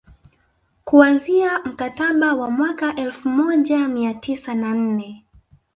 Kuanzia mkataba wa mwaka wa elfu moja mia tisa na nne